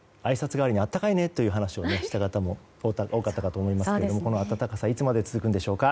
代わりに暖かいねという話をした方も多かったと思いますがこの暖かさはいつまで続くんでしょうか。